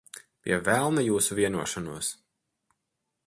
Pie velna jūsu vienošanos.